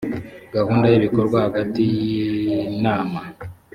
gahunda y ibikorwa hagati y inama